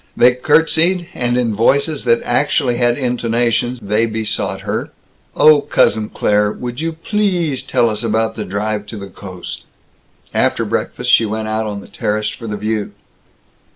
They curtsied, and in voices that actually had intonations they besought her, "Oh, Cousin Claire, would you pleasssssse tell us about drive to the coast?" After breakfast, she went out on the terrace for the View.